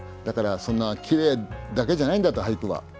だからそんなきれいだけじゃないんだと俳句は。